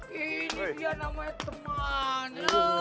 ini dia namanya teman